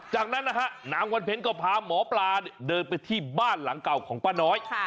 จากนั้นนะฮะนางวันเพ็ญก็พาหมอปลาเดินไปที่บ้านหลังเก่าของป้าน้อย